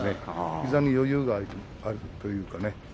膝に余裕があるというかね